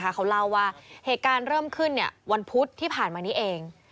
เขาเล่าว่าเหตุการณ์เริ่มขึ้นวันพุธที่ผ่านมานี้เอง